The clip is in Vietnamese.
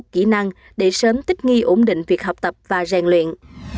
kỹ năng để sớm tích nghi ổn định việc học tập và rèn luyện